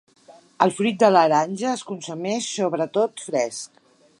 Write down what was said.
El fruit de l'aranja es consumeix sobretot fresc.